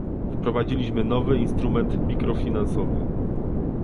Wprowadziliśmy nowy instrument mikrofinansowy